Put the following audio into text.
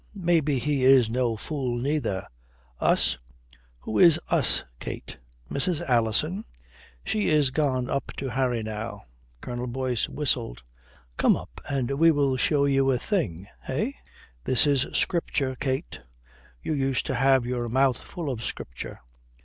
Maybe he is no fool, neither. Us? Who is us, Kate? Mrs. Alison?" "She is gone up to Harry now." Colonel Boyce whistled. "Come up and we will show you a thing, eh? That is Scripture, Kate. You used to have your mouth full of Scripture."